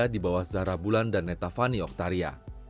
di bawah zahra bulan dan netavani oktaria